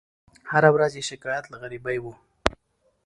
هره ورځ یې شکایت له غریبۍ وو